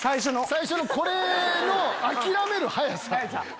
最初のこれの諦める早さ。